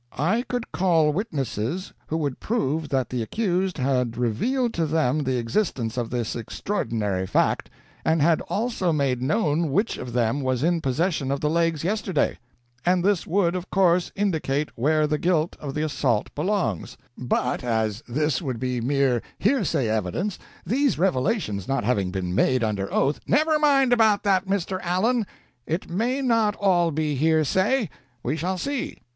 I could call witnesses who would prove that the accused had revealed to them the existence of this extraordinary fact, and had also made known which of them was in possession of the legs yesterday and this would, of course, indicate where the guilt of the assault belongs but as this would be mere hearsay evidence, these revelations not having been made under oath " "Never mind about that, Mr. Allen. It may not all be hearsay. We shall see.